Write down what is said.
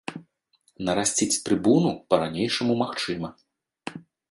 Нарасціць трыбуну па-ранейшаму магчыма.